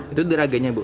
itu dari agennya bu